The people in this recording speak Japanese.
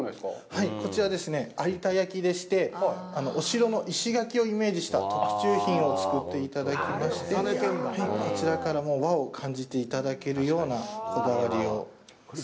はい、こちらですね、有田焼でして、お城の石垣をイメージした特注品で作っていただきまして、こちらからも和を感じていただけるようなこだわりをしています。